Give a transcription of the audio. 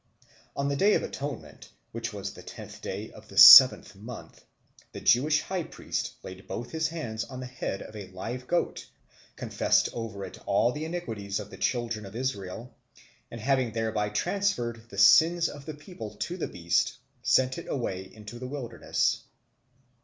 On the Day of Atonement, which was the tenth day of the seventh month, the Jewish high priest laid both his hands on the head of a live goat, confessed over it all the iniquities of the Children of Israel, and, having thereby transferred the sins of the people to the beast, sent it away into the wilderness.